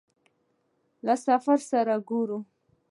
له سفیر سره ګورې.